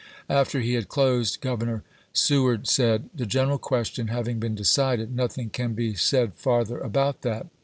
After he had closed, Governor Seward said: "The general question having been decided, nothing can be said farther about that.